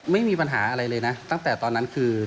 ไม่มีปัญหาอะไรเลยนะ